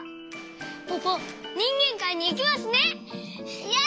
ポポにんげんかいにいけますね！